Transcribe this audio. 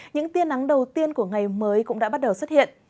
những tiên nắng đầu tiên của ngày mới cũng đã bắt đầu xuất hiện